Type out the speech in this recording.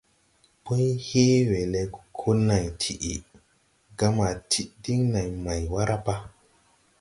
Pũy hee we le ko nãy ti, ga ma tiʼ din nãy may wara pa?